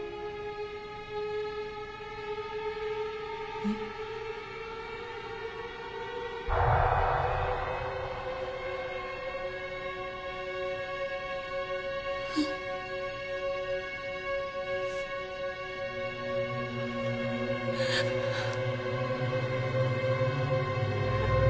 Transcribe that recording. えっ？えっ？えっ？